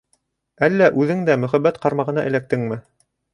Әллә үҙең дә мөхәббәт ҡармағына эләктеңме?